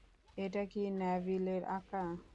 এটা কি ন্যাভিলের আঁকা?